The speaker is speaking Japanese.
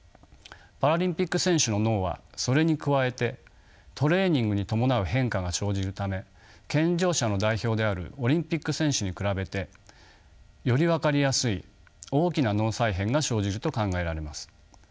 パラリンピック選手の脳はそれに加えてトレーニングに伴う変化が生じるため健常者の代表であるオリンピック選手に比べてより分かりやすい大きな脳再編が生じると考えられます。